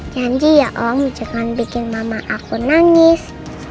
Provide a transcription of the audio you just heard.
janji ya om jangan bikin mama aku nangis